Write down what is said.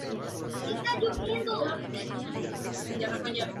El propio director, Antonio Serrano, aparece como el chamán, en la escena final.